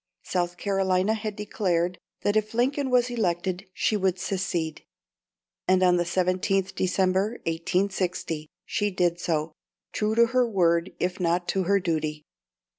South Carolina had declared that if Lincoln was elected she would secede, and on the 17th December, 1860, she did so, true to her word if not to her duty.